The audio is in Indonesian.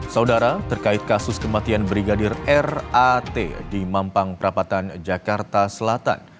saudara terkait kasus kematian brigadir rat di mampang perapatan jakarta selatan